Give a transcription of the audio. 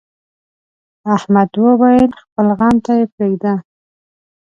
احمد وويل: خپل غم ته یې پرېږده.